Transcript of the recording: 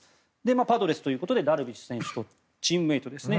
パドレスということでダルビッシュ選手とチームメートですね。